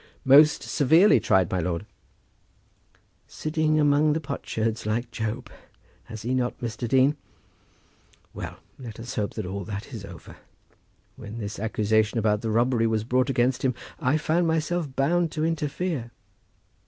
"Most severely tried, my lord." "Sitting among the potsherds, like Job; has he not, Mr. Dean? Well; let us hope that all that is over. When this accusation about the robbery was brought against him, I found myself bound to interfere."